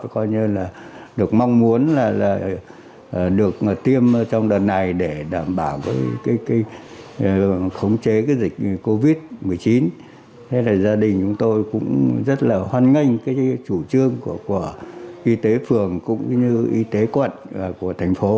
không chế dịch covid một mươi chín gia đình chúng tôi cũng rất là hoan nghênh chủ trương của y tế phường cũng như y tế quận của thành phố